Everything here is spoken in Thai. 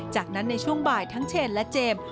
จากนั้นในช่วงบ่ายทั้งเชนและเจมส์